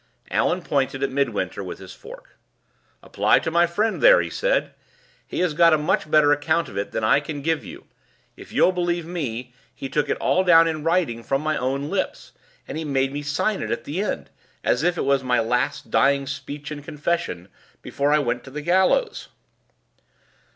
Allan pointed at Midwinter with his fork. "Apply to my friend, there," he said; "he has got a much better account of it than I can give you. If you'll believe me, he took it all down in writing from my own lips; and he made me sign it at the end, as if it was my 'last dying speech and confession' before I went to the gallows.